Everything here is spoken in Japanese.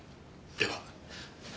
では。